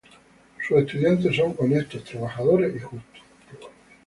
Sus estudiantes son honestos, trabajadores y justos.